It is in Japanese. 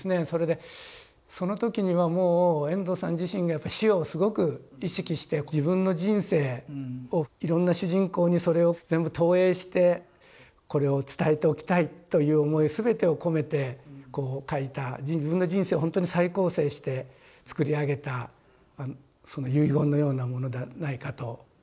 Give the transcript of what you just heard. それでその時にはもう遠藤さん自身がやっぱ死をすごく意識して自分の人生をいろんな主人公にそれを全部投影してこれを伝えておきたいという思い全てを込めてこう書いた自分の人生ほんとに再構成して作り上げたその遺言のようなものではないかと。